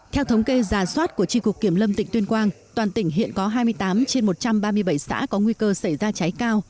theo thống kê giả soát của tri cục kiểm lâm tỉnh tuyên quang toàn tỉnh hiện có hai mươi tám trên một trăm ba mươi bảy xã có nguy cơ xảy ra cháy cao